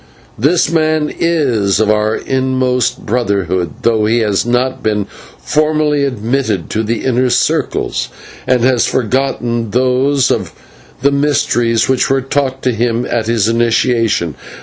This man is of our inmost Brotherhood, though he has not been formally admitted to the inner circles, and has forgotten those of the mysteries which were taught to him at his initiation.